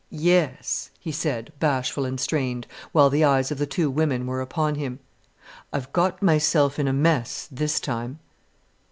"Yes," he said, bashful and strained, while the eyes of the two women were upon him. "I've got myself in a mess this time."